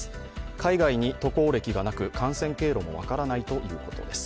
海外に渡航歴がなく、感染経路も分からないということです。